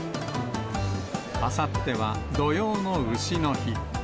あさっては土用のうしの日。